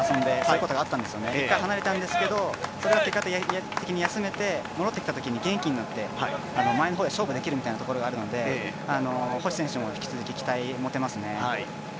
いったん、離れたんですけど結果的に休めて戻ってきたときに元気になって前の方で勝負できるみたいなところがあるので星選手も引き続き期待を持てますね。